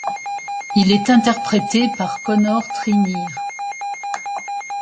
Il est interprété par Connor Trinneer.